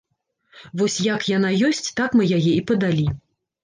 Вось як яна ёсць, так мы яе і падалі.